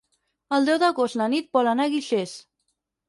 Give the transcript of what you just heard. El deu d'agost na Nit vol anar a Guixers.